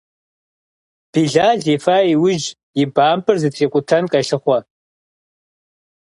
Билал ефа иужь и бампӏэр зытрикъутэн къелъыхъуэ.